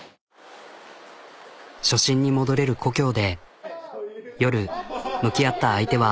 初心に戻れる故郷で夜向き合った相手は。